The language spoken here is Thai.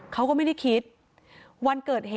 เขาก็ไม่ได้คิด